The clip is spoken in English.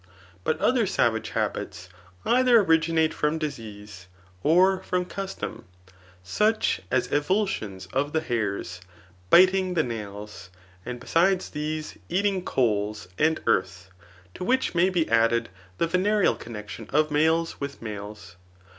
But other savage habits, dther originate from disease, or from custom, such as evuldons of the hsurs, biting the nails, and besides these eating coals and earth ; to. which may be added the venereal connexion of niales with males.